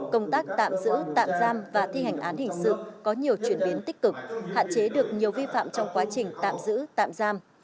công tác tạm giữ tạm giam và thi hành án hình sự có nhiều chuyển biến tích cực hạn chế được nhiều vi phạm trong quá trình tạm giữ tạm giam